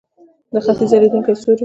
د ختیځ ځلیدونکی ستوری.